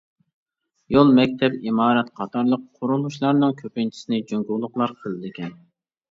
يول، مەكتەپ، ئىمارەت قاتارلىق قۇرۇلۇشلارنىڭ كۆپىنچىسىنى جۇڭگولۇقلار قىلىدىكەن.